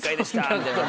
みたいな。